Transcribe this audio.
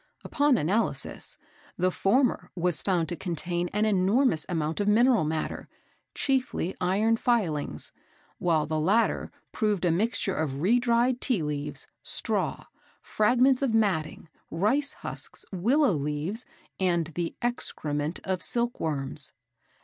Upon analysis, the former was found to contain an enormous amount of mineral matter, chiefly iron filings; while the latter proved a mixture of redried tea leaves, straw, fragments of matting, rice husks, willow leaves, and the excrement of silkworms.